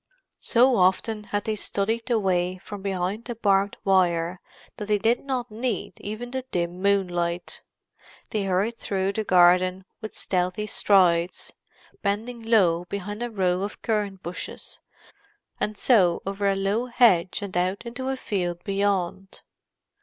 So often had they studied the way from behind the barbed wire that they did not need even the dim moonlight. They hurried through the garden with stealthy strides, bending low behind a row of currant bushes, and so over a low hedge and out into a field beyond.